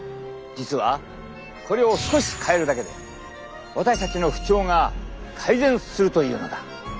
実はこれを少し変えるだけで私たちの不調が改善するというのだ。